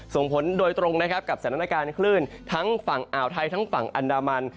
ส่งผลโดยตรงนะครับกับสถานการณ์คลื่นทั้งฝั่งอ่าวไทยทั้งฝั่งอันดามัน